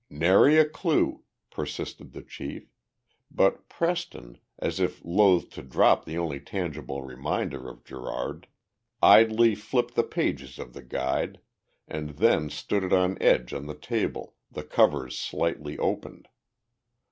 "Nary a clue," persisted the chief, but Preston, as if loath to drop the only tangible reminder of Gerard, idly flipped the pages of the Guide, and then stood it on edge on the table, the covers slightly opened.